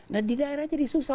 nah di daerah jadi susah